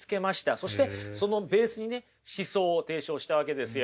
そしてそのベースにね思想を提唱したわけですよ。